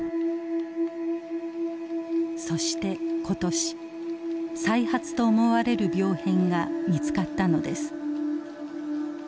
そして今年再発と思われる病変が見つかったのです。